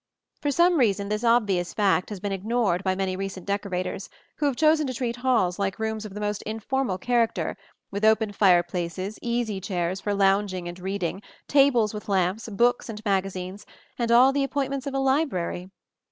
For some reason this obvious fact has been ignored by many recent decorators, who have chosen to treat halls like rooms of the most informal character, with open fireplaces, easy chairs for lounging and reading, tables with lamps, books and magazines, and all the appointments of a library.